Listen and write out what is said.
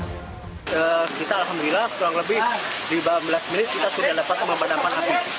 kita alhamdulillah kurang lebih lima belas menit kita sudah dapat memadamkan api